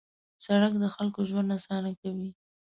سړک د خلکو ژوند اسانه کوي.